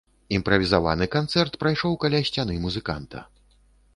Імправізаваны канцэрт прайшоў каля сцяны музыканта.